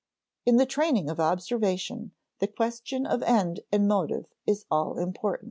In the training of observation the question of end and motive is all important.